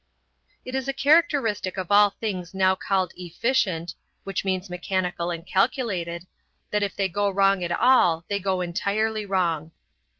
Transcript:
It is a characteristic of all things now called "efficient", which means mechanical and calculated, that if they go wrong at all they go entirely wrong.